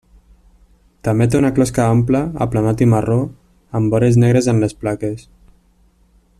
També té una closca ampla, aplanat i marró, amb vores negres en les plaques.